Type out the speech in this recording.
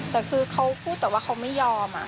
แต่คือเขาพูดแต่ว่าเขาไม่ยอม